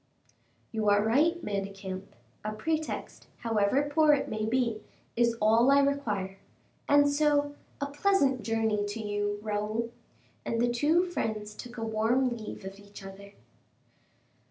"You are right, Manicamp; a pretext, however poor it may be, is all I require. And so, a pleasant journey to you, Raoul!" And the two friends took a warm leave of each other.